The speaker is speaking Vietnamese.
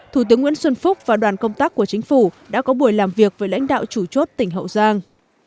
thủ tướng nguyễn xuân phúc và đoàn công tác của chính phủ đã có buổi làm việc với lãnh đạo chủ chốt tỉnh hậu giang